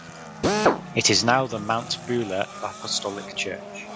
It is now the Mount Beulah Apostolic Church.